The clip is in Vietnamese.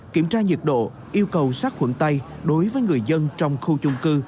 kiểm tra nhiệt độ yêu cầu sát khuẩn tay đối với người dân trong khu chung cư